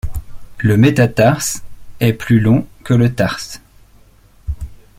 Le métatarse est plus long que le tarse.